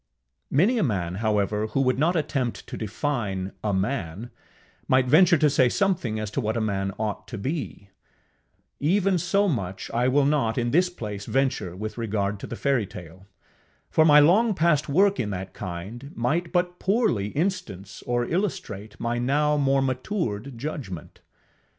Many a man, however, who would not attempt to define a man, might venture to say something as to what a man ought to be: even so much I will not in this place venture with regard to the fairytale, for my long past work in that kind might but poorly instance or illustrate my now more matured judgment.